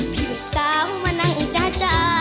ผีบุ๋นสาวมานั่งจาจา